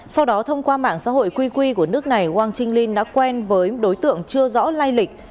sau đó thông qua mạng xã hội quy quy của nước này wang qinglin đã quen với đối tượng chưa rõ lai lịch